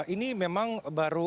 ini memang baru